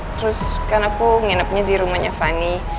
terus kan aku nginepnya di rumahnya fani